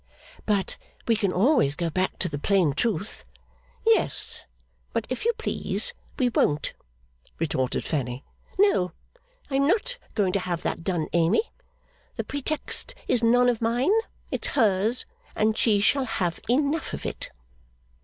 'But we can always go back to the plain truth.' 'Yes, but if you please we won't,' retorted Fanny. 'No; I am not going to have that done, Amy. The pretext is none of mine; it's hers, and she shall have enough of it.